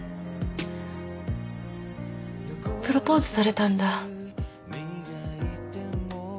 プロポーズされたんだ。